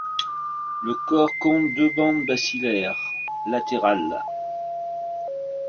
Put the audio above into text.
Le corps compte deux bandes bacillaires latérales.